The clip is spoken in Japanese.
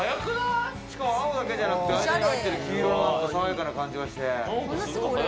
しかも青だけじゃなくて間に入ってる黄色、なんか爽やかな感じがして。